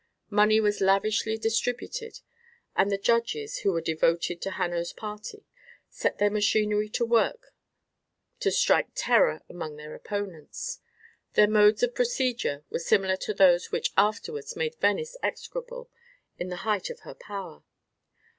Money was lavishly distributed, and the judges, who were devoted to Hanno's party, set their machinery to work to strike terror among their opponents. Their modes of procedure were similar to those which afterwards made Venice execrable in the height of her power.